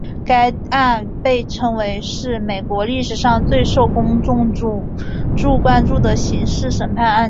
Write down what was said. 该案被称为是美国历史上最受公众关注的刑事审判案件。